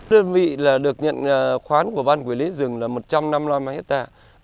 đơn vị được nhận khoán của ban quản lý rừng là một trăm năm mươi năm hectare